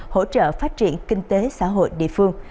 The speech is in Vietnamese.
hỗ trợ phát triển kinh tế xã hội địa phương